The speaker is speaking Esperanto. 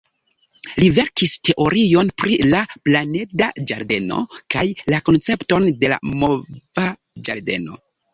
Li verkis teorion pri la «planeda ĝardeno» kaj la koncepton de la mova ĝardeno.